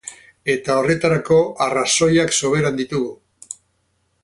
Eta horretarako arrazoiak soberan ditugu.